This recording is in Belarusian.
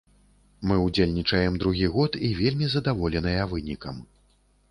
Мы ўдзельнічаем другі год і вельмі задаволеныя вынікам.